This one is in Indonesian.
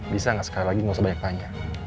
bisa gak sekali lagi gak usah banyak tanya